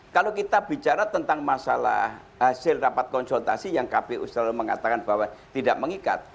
kalau kita bicara tentang masalah hasil rapat konsultasi yang kpu selalu mengatakan bahwa tidak mengikat